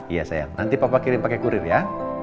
iya sayang nanti papa kirim pakai kurir ya